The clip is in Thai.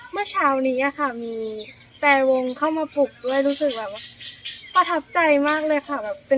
เมื่อเช้านี้ค่ะมีแต่วงเข้ามาปลูกด้วยรู้สึกแบบว่าประทับใจมากเลยค่ะแบบเป็นสุดท้ายมากเลยค่ะ